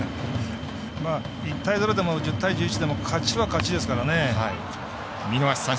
１対０でも１１対１０でも勝ちは勝ちですからね。